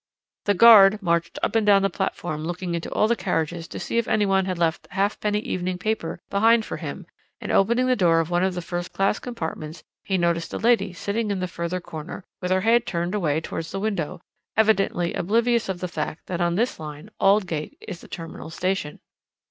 "The guard marched up and down the platform looking into all the carriages to see if anyone had left a halfpenny evening paper behind for him, and opening the door of one of the first class compartments, he noticed a lady sitting in the further corner, with her head turned away towards the window, evidently oblivious of the fact that on this line Aldgate is the terminal station.